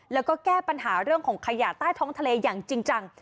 แล้วก็แก้ปัญหาเรื่องของขยะใต้ท้องทะเลอย่างจริงจัง